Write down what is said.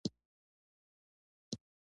لومړی چې څوک مکې ته راځي عمره کوي.